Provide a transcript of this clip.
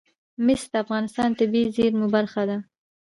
مس د افغانستان د طبیعي زیرمو برخه ده.